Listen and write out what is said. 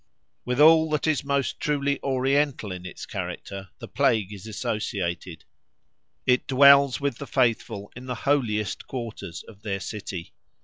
With all that is most truly Oriental in its character the plague is associated; it dwells with the faithful in the holiest quarters of their city.